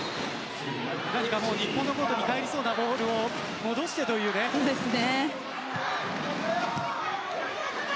日本のコートに入りそうなボールを戻してというところでした。